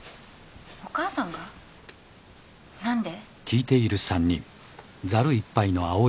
お母さんが？何で？